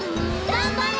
がんばれ！